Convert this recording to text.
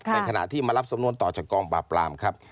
ในขณะที่มารับสำนวนต่อจากกองปราบรามครับ